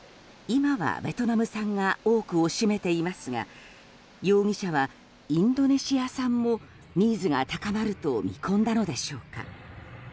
今はベトナム産が多くを占めていますが容疑者はインドネシア産もニーズが高まると見込んだのでしょうか。